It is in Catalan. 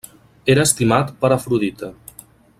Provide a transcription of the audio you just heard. Era estimat per Afrodita.